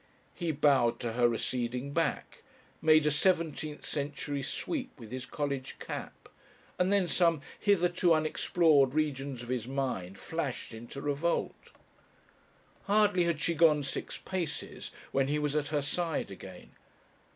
He bowed to her receding back, made a seventeenth century sweep with his college cap, and then some hitherto unexplored regions of his mind flashed into revolt. Hardly had she gone six paces when he was at her side again.